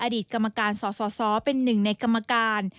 อดีตกรรมการสสเป็นหนึ่งในกรรมการ